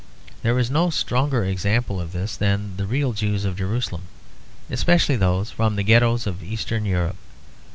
There is no stronger example of this than the real Jews of Jerusalem, especially those from the ghettoes of eastern Europe.